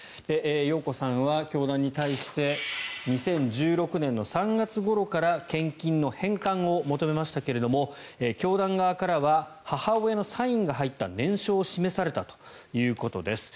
容子さんは教団に対して２０１６年の３月ごろから献金の返還を求めましたが教団側からは母親のサインが入った念書を示されたということです。